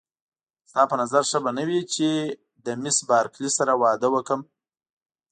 ستا په نظر ښه به نه وي چې له مېس بارکلي سره واده وکړم.